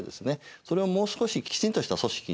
それをもう少しきちんとした組織にしてですね